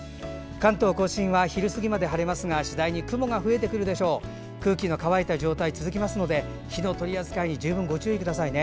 関東・甲信は昼過ぎまで晴れますが空気の乾いた状態が続きますので火の取り扱いに十分、ご注意くださいね。